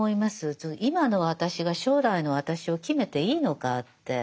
今の私が将来の私を決めていいのかって思いますよね。